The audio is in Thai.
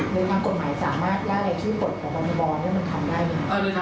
หรือการกดหมายสามารถจะได้ได้ชื่อกฎของบริบันดีบอล